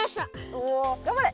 おおがんばれ。